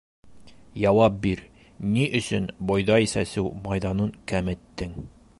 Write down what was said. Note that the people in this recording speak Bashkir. Яуап бир: ни өсөн бойҙай сәсеү майҙанын кәметтең?